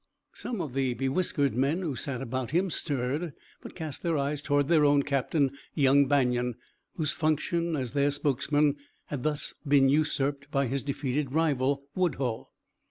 Some of the bewhiskered men who sat about him stirred, but cast their eyes toward their own captain, young Banion, whose function as their spokesman had thus been usurped by his defeated rival, Woodhull.